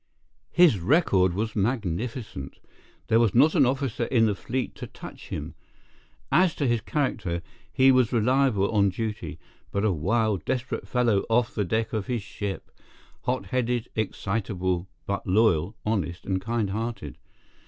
His record was magnificent. There was not an officer in the fleet to touch him. As to his character, he was reliable on duty, but a wild, desperate fellow off the deck of his ship—hot headed, excitable, but loyal, honest, and kind hearted.